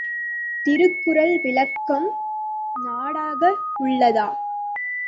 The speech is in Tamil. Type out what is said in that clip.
திருக்குறள் விளக்கும் நாடாக உள்ளதா?